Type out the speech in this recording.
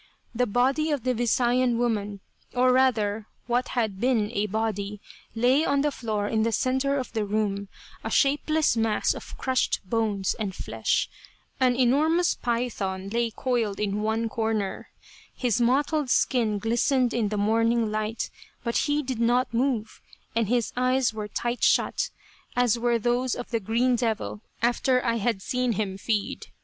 The body of the Visayan woman, or rather what had been a body, lay on the floor in the center of the room, a shapeless mass of crushed bones and flesh. An enormous python lay coiled in one corner. His mottled skin glistened in the morning light, but he did not move, and his eyes were tight shut, as were those of the "green devil" after I had seen him feed.